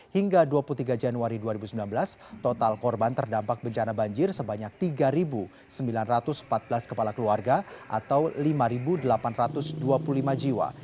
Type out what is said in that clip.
hingga dua puluh tiga januari dua ribu sembilan belas total korban terdampak bencana banjir sebanyak tiga sembilan ratus empat belas kepala keluarga atau lima delapan ratus dua puluh lima jiwa